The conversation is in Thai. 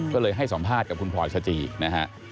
ก็เลยให้สัมภาษณ์กับคุณพรชจีริฐินะฮะ